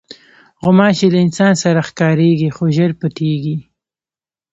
غوماشې له انسان سره ښکارېږي، خو ژر پټېږي.